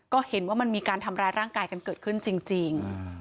ก็เห็นว่ามันมีการทำร้ายร่างกายกันเกิดขึ้นจริง